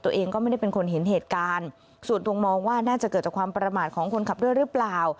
ตัวเองก็ไม่ได้เป็นคนเห็นเหตุการณ์ส่วนตัวมองว่าน่าจะเกิดจากความประมาทของคนขับด้วยหรือเปล่า